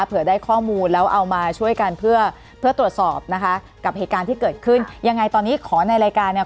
เผื่อได้ข้อมูลแล้วเอามาช่วยกันเพื่อเพื่อตรวจสอบนะคะกับเหตุการณ์ที่เกิดขึ้นยังไงตอนนี้ขอในรายการเนี่ย